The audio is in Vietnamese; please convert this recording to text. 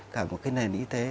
cả một cái nền y tế